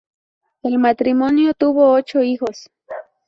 El matrimonio tuvo ocho hijos.